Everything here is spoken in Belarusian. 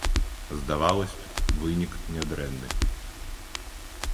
Здавалася б, вынік нядрэнны.